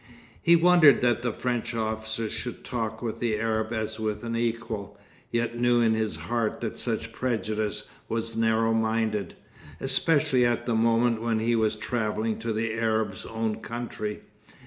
He wondered that the French officers should talk with the Arab as with an equal, yet knew in his heart that such prejudice was narrow minded, especially at the moment when he was travelling to the Arab's own country.